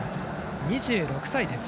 ２６歳です。